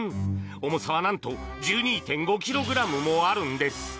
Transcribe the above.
重さは、なんと１２．５ｋｇもあるんです。